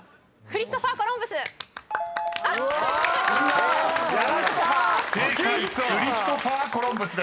「クリストファー・コロンブス」です］